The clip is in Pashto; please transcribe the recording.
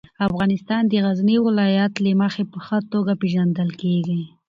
افغانستان د غزني د ولایت له مخې په ښه توګه پېژندل کېږي.